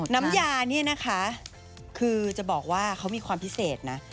น้ำยานี่นะคะคือจะบอกว่าเขามีความพิเศษนะ